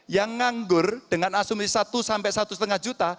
yang nganggur dengan asumsi satu sampai satu lima juta